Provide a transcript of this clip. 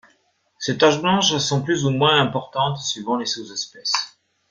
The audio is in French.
Ces taches blanches sont plus ou moins importantes suivant des sous-espèces.